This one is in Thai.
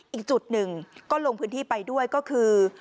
อีกจุดหนึ่งก็ลงพื้นที่ไปด้วยก็คือ